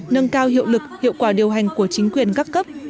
nâng cao hiệu lực hiệu quả điều hành của chính quyền các cấp